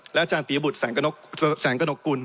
อาจารย์ปียบุตรแสงกระหนกกุล